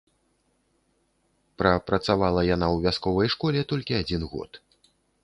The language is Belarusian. Прапрацавала яна ў вясковай школе толькі адзін год.